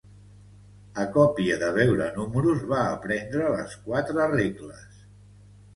A copia de veure números va aprendre les quatre regles.